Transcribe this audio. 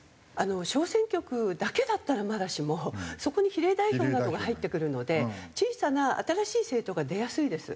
小選挙区だけだったらまだしもそこに比例代表などが入ってくるので小さな新しい政党が出やすいです。